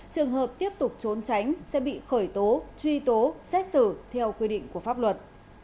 trường hợp tiếp tục trốn tránh sẽ bị khởi tố truy tố xét xử theo quy định của pháp luật